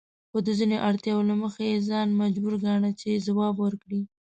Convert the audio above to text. خو د ځینو اړتیاوو له مخې یې ځان مجبور ګاڼه چې ځواب ورکړي.